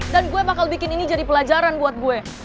dan gue bakal bikin ini jadi pelajaran buat gue